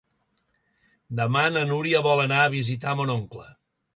Demà na Núria vol anar a visitar mon oncle.